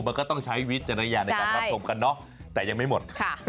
มันก็ต้องใช้วิจารณญาณในการรับชมกันเนอะแต่ยังไม่หมด